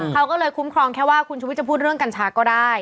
เขาก็เลยคุ้มครองแค่ว่าคุณชุวิตจะพูดเรื่องกัญชาก็ได้